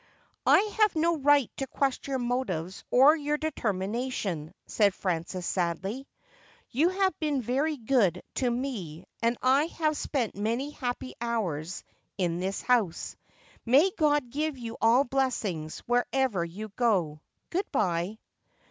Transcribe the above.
' I have no right to question your motives or your deter mination,' said Frances sadly. ' You have been very good to me, and I have spent many happy hours in this house May God give you all blessings, wherever you go. Good bye.'